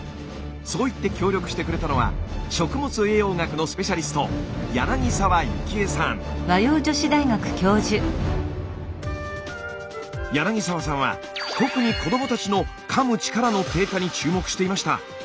そう言って協力してくれたのは食物栄養学のスペシャリスト柳沢さんは特に子どもたちのかむ力の低下に注目していました。